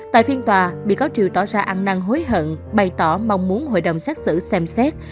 tại phiên tòa bị cáo triều tỏ ra ăn năng hối hận bày tỏ mong muốn hội đồng xét xử xem xét